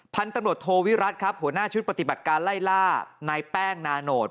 พันธุ์ตำรวจโทวิรัติครับหัวหน้าชุดปฏิบัติการไล่ล่านายแป้งนาโนต